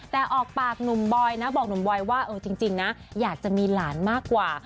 แต่ออกปากหนุ่มบอยนะบอกหนุ่มบอยว่าเออจริงนะอยากจะมีหลานมากกว่า